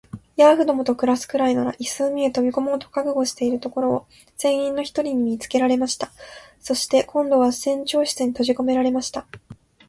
ヤーフどもと暮すくらいなら、いっそ海へ飛び込もうと覚悟しているところを、船員の一人に見つけられました。そして、今度は船長室にとじこめられました。